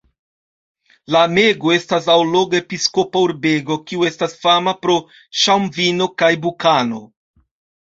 Lamego estas alloga episkopa urbego, kiu estas fama pro ŝaŭmvino kaj bukano.